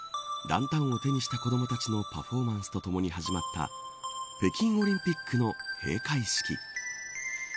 ランタンを手にした子どもたちのパフォーマンスとともに始まった北京オリンピックの閉会式。